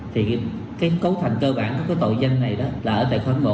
thì cái cấu thành cơ bản của cái tội danh này đó là ở tài khoản một